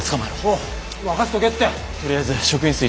おう。